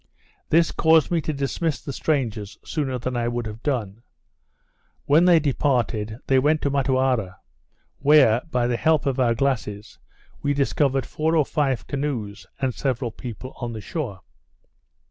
This caused me to dismiss the strangers sooner than I would have done. When they departed, they went to Motuara, where, by the help of our glasses, we discovered four or five canoes, and several people on the shore.